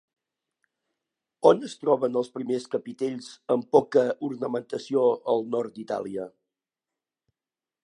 On es troben els primers capitells amb poca ornamentació al nord d'Itàlia?